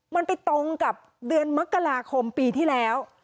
มันไปตรงกับเดือนมกราคมปีที่แล้ว